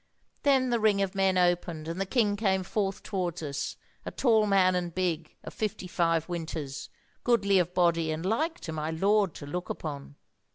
Then the ring of men opened, and the king came forth towards us; a tall man and big, of fifty five winters, goodly of body and like to my lord to look upon.